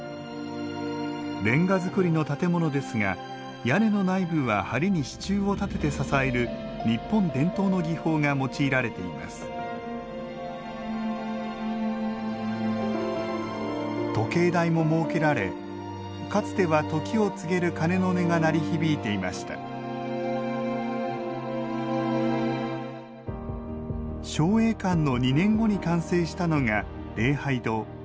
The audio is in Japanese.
レンガ造りの建物ですが屋根の内部は梁に支柱を立てて支える日本伝統の技法が用いられています時計台も設けられかつては時を告げる鐘の音が鳴り響いていました彰栄館の２年後に完成したのが礼拝堂。